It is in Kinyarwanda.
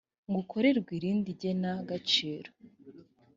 ngo ukorerwe irindi gena gaciro